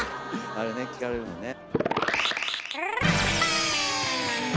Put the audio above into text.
あれね聞かれるのね。